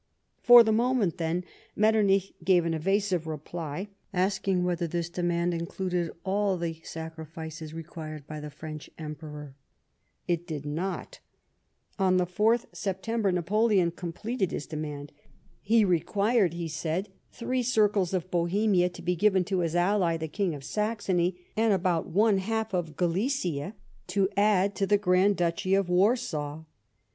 For the moment, then, Metternich gave an evasive reply, asking whether this demand included all the sacrifices required by the French Emperor. TEE WAR OF 1809. 57 It did not. On the 4th September, Napoleon completed liis demand. lie required, he said, three circles of Bohemia to be given to his ally, the King of Saxony, and about one half of Galicia, to add to the Grand Duchy of Warsaw.